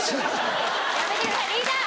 やめてくださいリーダー！